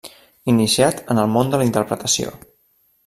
Iniciat en el món de la interpretació.